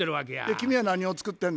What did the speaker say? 君は何を作ってんの？